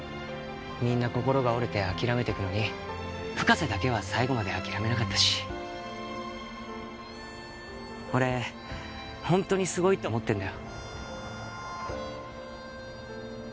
みんな心が折れて諦めてくのに深瀬だけは最後まで諦めなかったし俺ホントにすごいと思ってんだよ